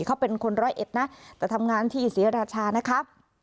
เขาเป็นคนร้อยเอ็ดแต่ทำงานที่ศรีราชา